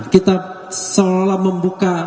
kami tetap selalu membuka